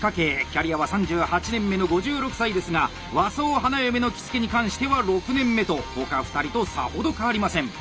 キャリアは３８年目の５６歳ですが和装花嫁の着付に関しては６年目と他２人とさほど変わりません。